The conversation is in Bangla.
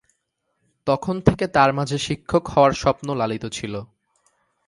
তখন থেকে তার মাঝে শিক্ষক হওয়ার স্বপ্ন লালিত ছিল।